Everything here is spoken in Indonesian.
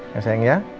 ya sayang ya